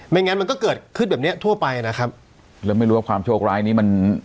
งั้นมันก็เกิดขึ้นแบบเนี้ยทั่วไปนะครับแล้วไม่รู้ว่าความโชคร้ายนี้มัน